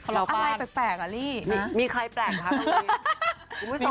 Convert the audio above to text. อะไรแปลกอ่ะลี่มีใครแปลกหรือครับ